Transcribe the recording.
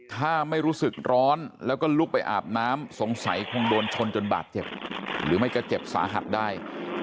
ถ้าไม่รู้สึกร้อนแล้วก็ลุกไปอาบน้ำสงสัยคงโดนชนจนบาดเจ็บหรือไม่ก็เจ็บสาหัสได้